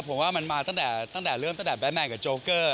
ผมว่ามันมาตั้งแต่เริ่มตั้งแต่แบทแมนกับโจเกอร์